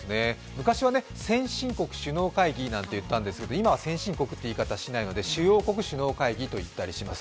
昔は先進国首脳会議なんて言ったんですけど、今は先進国っていう言い方はしないので、主要国首脳会議と言ったりします。